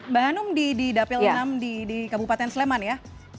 mbak hanum di dapil enam di kabupaten sleman ya